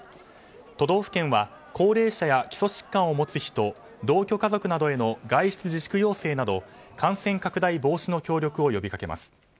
都道府県は高齢者や基礎疾患を持つ人同居家族などへの外出自粛要請など感染拡大防止の協力を呼びかけます。